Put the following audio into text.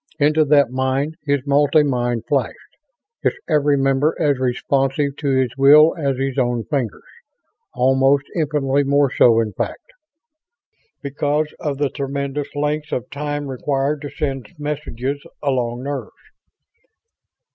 Into that mind his multi mind flashed, its every member as responsive to his will as his own fingers almost infinitely more so, in fact, because of the tremendous lengths of time required to send messages along nerves.